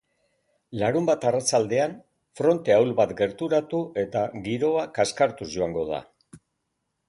Larunbat arratsaldean, fronte ahul bat gerturatu eta giroa kaskartuz joango da.